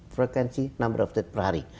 frekuensi per hari